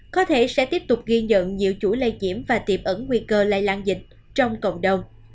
có thể sẽ tiếp tục ghi nhận nhiều chủ lây diễm và tiệm ẩn nguy cơ lây lan dịch trong cộng đồng